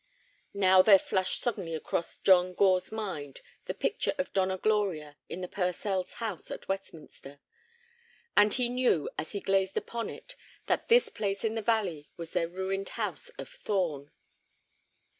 Now there flashed suddenly across John Gore's mind the picture of Donna Gloria in the Purcells's house at Westminster. And he knew as he gazed upon it that this place in the valley was their ruined house of Thorn.